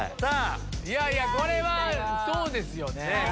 いやいやこれはそうですよね。